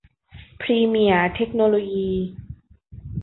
พรีเมียร์ เทคโนโลยี